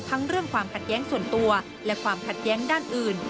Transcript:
เรื่องความขัดแย้งส่วนตัวและความขัดแย้งด้านอื่น